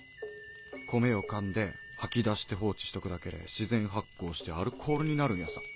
米を噛んで吐き出して放置しとくだけで自然発酵してアルコールになるんやさ。